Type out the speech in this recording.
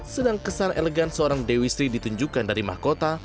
sedang kesan elegan seorang dewi sri ditunjukkan dari mahkota